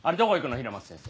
平松先生。